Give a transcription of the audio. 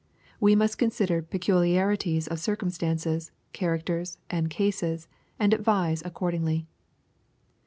We must consider peculiarities of circumstances, characters, and cases, and advise accordingly.